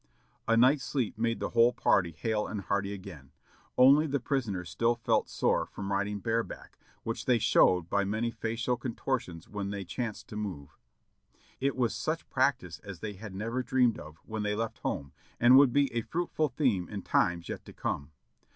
A night's sleep made the whole party hale and hearty again ; only the prisoners still felt sore from riding bare back, which they showed by many facial contortions when they chanced to move. It was such practice as they had never dreamed of when they left home, and would be a fruitful theme in times yet to come.